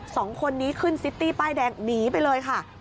สองคนนี้ขึ้นซิตตี้ป้ายแดงหนีไปเลยค่ะ